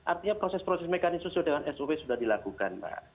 artinya proses proses mekanisme dengan sop sudah dilakukan pak